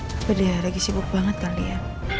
tapi dia lagi sibuk banget kali ya